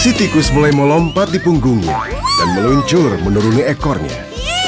si tikus mulai melompat di punggungnya dan meluncur menuruni ekornya